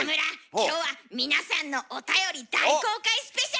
今日は皆さんのおたより大公開スペシャル！